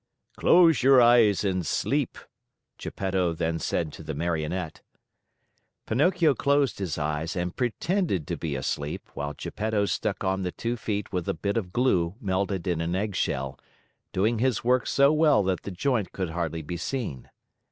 "Close your eyes and sleep!" Geppetto then said to the Marionette. Pinocchio closed his eyes and pretended to be asleep, while Geppetto stuck on the two feet with a bit of glue melted in an eggshell, doing his work so well that the joint could hardly be seen.